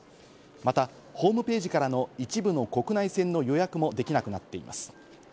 また、ホームページからの一部の国内線の予約もできなくなっています。